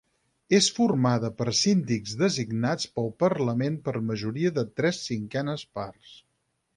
És formada per síndics designats pel Parlament per majoria de tres cinquenes parts.